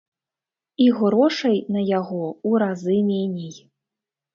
І грошай на яго ў разы меней.